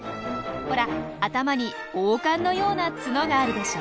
ほら頭に王冠のようなツノがあるでしょ！